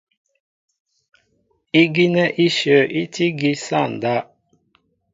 Ígínɛ́ íshyə̂ í tí ígí sááŋ ndáp.